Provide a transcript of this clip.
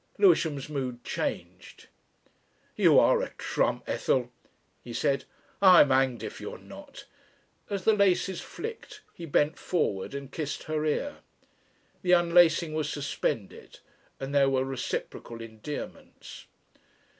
Lewisham's mood changed. "You are a trump, Ethel," he said; "I'm hanged if you're not." As the laces flicked he bent forward and kissed her ear. The unlacing was suspended and there were reciprocal endearments....